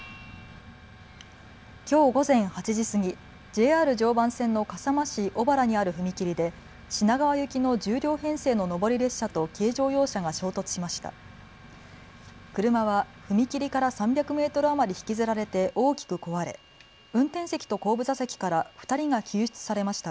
きょう午前８時過ぎＪＲ常磐線の笠間市小原にある踏切で品川行きの１０両編成の上り列車と軽乗用車が衝突しました。